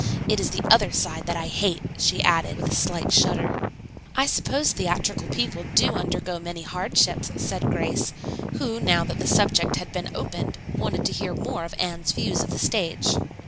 It is the other side that I hate," she added, with a slight shudder. "I suppose theatrical people do undergo many hardships," said Grace, who, now that the subject had been opened, wanted to hear more of Anne's views of the stage.